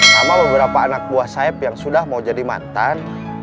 sama beberapa anak buah sayap yang sudah mau jadi mantan